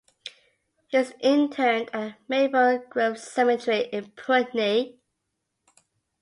He is interred at Maple Grove Cemetery in Putney.